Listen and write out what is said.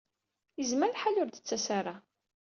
Yezmer lḥal ur d-tettas ara.